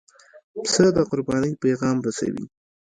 پسه د قربانۍ پیغام رسوي.